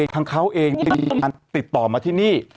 ทั้งเขาเองที่นี่ติดต่อมาที่นี่